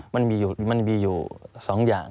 มันมีอยู่๒อย่าง